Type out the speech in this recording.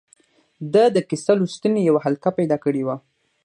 ده د کیسه لوستنې یوه حلقه پیدا کړې وه.